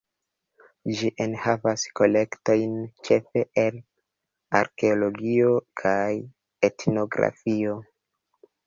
Ĝi enhavas kolektojn ĉefe el arkeologio kaj etnografio.